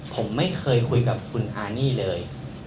ผมไม่เคยคุยกับคุณอานี่เลย